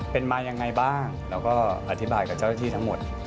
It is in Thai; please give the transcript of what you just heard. เป็นมายังไงบ้างแล้วก็อธิบายกับเจ้าหน้าที่ทั้งหมด